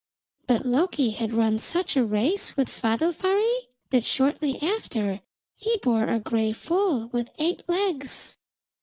But Loki had run such a race with Svadilfari that shortly after he bore a grey foal with eight legs.